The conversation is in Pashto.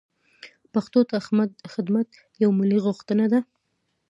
پښتو ته خدمت یوه ملي غوښتنه ده.